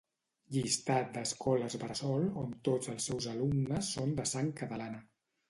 Llistat d'escoles bressol on tots els seus alumnes són de sang catalana